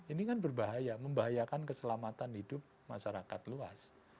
ini kan berbahaya membahayakan keselamatan hidup masyarakat luas